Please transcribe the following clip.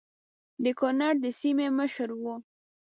د کنړ د سیمې مشر وو.